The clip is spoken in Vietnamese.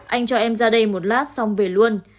anh cho em ra đây một lát xong về luôn